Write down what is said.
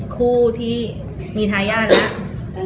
คู่ที่มีทายาทแล้ว